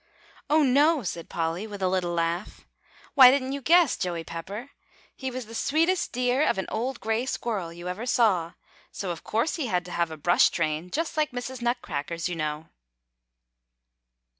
"Oh, no!" said Polly with a little laugh. "Why, didn't you guess, Joey Pepper? He was the sweetest dear of an old gray squirrel you ever saw; so of course he had to have a brush train, just like Mrs. Nutcracker's, you know."